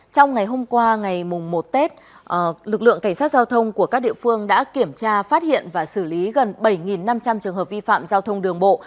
trong ngày hôm qua ngày một tết lực lượng cảnh sát giao thông của các địa phương đã kiểm tra phát hiện và xử lý gần bảy năm trăm linh trường hợp vi phạm giao thông đường bộ